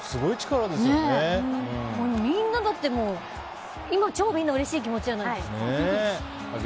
みんな、だって超うれしい気持ちじゃないですか。